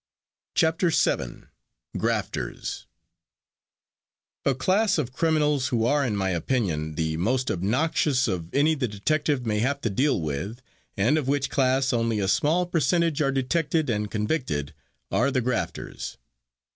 CHAPTER VII GRAFTERS A class of criminals who are, in my opinion, the most obnoxious of any the detective may have to deal with, and of which class only a small percentage are detected and convicted are the grafters.